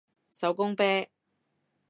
手工啤